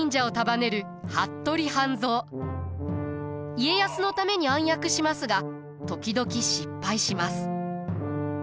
家康のために暗躍しますが時々失敗します。